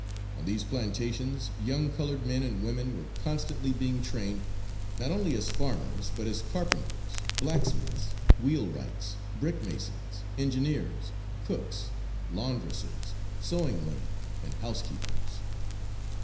On these plantations young colored men and women were constantly being trained not only as farmers but as carpenters, blacksmiths, wheelwrights, brick masons, engineers, cooks, laundresses, sewing women and housekeepers.